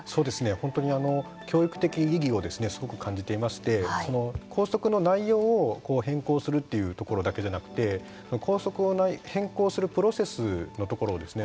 本当に教育的意義をすごく感じていまして校則の内容を変更するというところだけじゃなくて校則の内容を変更するプロセスのところをですね